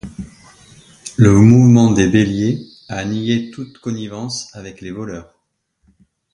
Le mouvement des Béliers a nié toute connivence avec les voleurs.